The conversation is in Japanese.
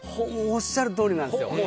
おっしゃるとおりなんです。